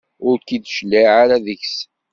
Ur k-id-tecliɛ ara seg-s.